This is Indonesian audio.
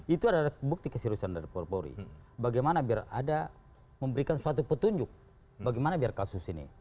itu adalah bukti keseriusan dari polri bagaimana biar ada memberikan suatu petunjuk bagaimana biar kasus ini